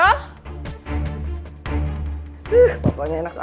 wih pokoknya enak tuh